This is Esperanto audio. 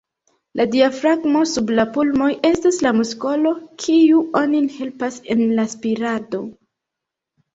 La diafragmo sub la pulmoj estas la muskolo, kiu onin helpas en la spirado.